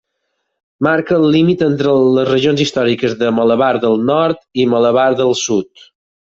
Marca el límit entre les regions històriques de Malabar del Nord i Malabar del Sud.